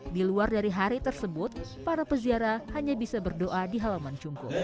di luar dari hari tersebut para peziarah hanya bisa berdoa di halaman cungku